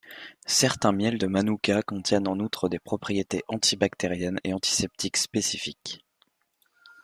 Certains miels de Manuka contiennent en outre des propriétés antibactériennes et antiseptiques spécifiques.